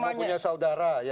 yang mempunyai saudara